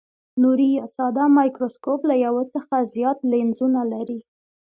نوري یا ساده مایکروسکوپ له یو څخه زیات لینزونه لري.